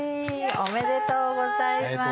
ありがとうございます。